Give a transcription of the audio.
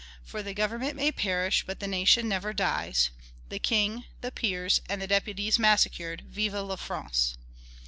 For the government may perish, but the nation never dies. The king, the peers, and the deputies massacred, VIVE LA FRANCE!"